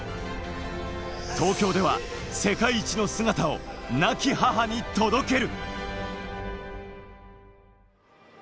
東京では世界一の姿を亡き母に届ける。